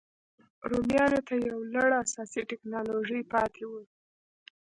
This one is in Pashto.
رومیانو ته یو لړ اساسي ټکنالوژۍ پاتې وو.